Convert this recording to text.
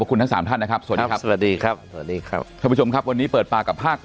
ขอบคุณทั้ง๓ท่านนะครับสวัสดีครับ